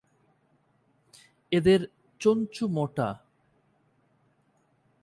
এদের চঞ্চু মোটা।